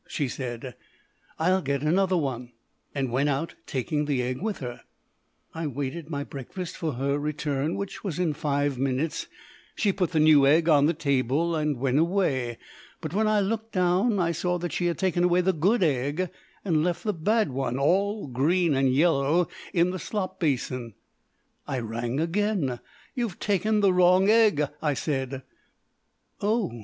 " she said; "I'll get another one," and went out, taking the egg with her. I waited my breakfast for her return, which was in five minutes. She put the new egg on the table and went away. But, when I looked down, I saw that she had taken away the good egg and left the bad one all green and yellow in the slop basin. I rang again. "You've taken the wrong egg," I said. "Oh!